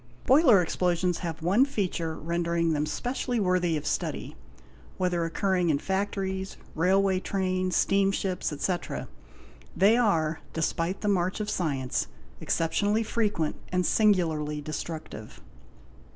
Boiler explosions have one feature rendering them specially worthy of study; whether occurring in factories, railway trains, steamships, etc., . they are, despite the march of science, exceptionally frequent and singu larly destructive.